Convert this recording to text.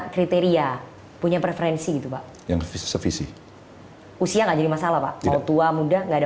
kriteria punya preferensi gitu pak yang sevisi usia gak jadi masalah pak kalau tua muda gak ada